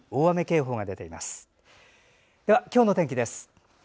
では、今日の天気です。